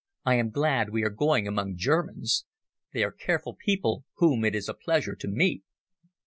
I am glad we are going among Germans. They are careful people whom it is a pleasure to meet."